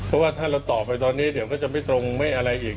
เพราะว่าถ้าเราตอบไปตอนนี้เดี๋ยวก็จะไม่ตรงไม่อะไรอีก